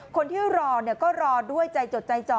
คนที่รอก็รอด้วยใจจดใจจ่อ